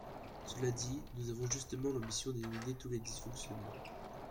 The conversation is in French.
Cela dit, nous avons justement l’ambition d’éliminer tous les dysfonctionnements.